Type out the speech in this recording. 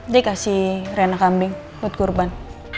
dia kasih rena kambing buat kurban